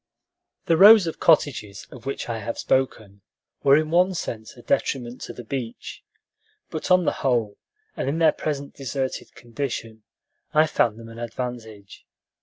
The rows of cottages of which I have spoken were in one sense a detriment to the beach; but on the whole, and in their present deserted condition, I found them an advantage.